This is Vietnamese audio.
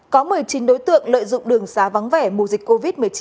có một mươi chín đối tượng lợi dụng đường xá vắng vẻ mùa dịch covid một mươi chín